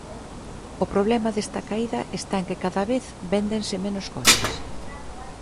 O problema desta caída está en que cada vez véndense menos coches.